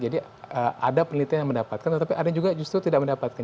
jadi ada penelitian yang mendapatkan tapi ada yang juga justru tidak mendapatkan